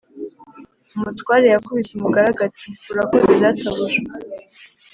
Umutware yakubise umugaragu ati urakoze databuja.